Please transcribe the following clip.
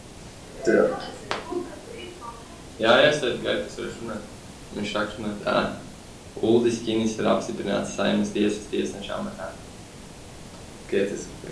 Uldis Ķinis ir apstiprināts Saeimas tiesas tiesneša amatā.